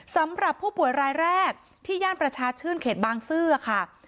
สำหรับผู้ป่วยรายแรกที่ย่านประชาชื่นเขตบางซื่อค่ะ